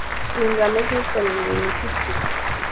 nshingano z ukora imirimo ifitiye